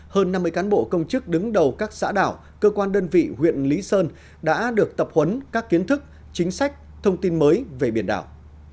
hơn năm mươi cán bộ công chức đứng đầu các xã đảo cơ quan đơn vị huyện lý sơn đã được tập huấn các kiến thức chính sách thông tin mới về biển đảo